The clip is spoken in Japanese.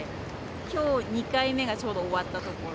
きょう２回目がちょうど終わったところ。